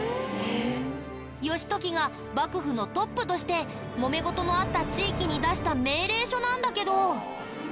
義時が幕府のトップとしてもめ事のあった地域に出した命令書なんだけど。